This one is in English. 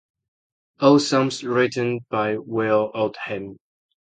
All songs written by Will Oldham.